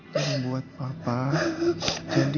yang buat papa jadi ga sakit lagi